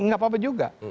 gak apa apa juga